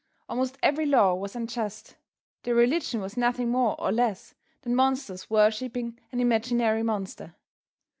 Almost every law was unjust. Their religion was nothing more or less than monsters worshiping an imaginary monster.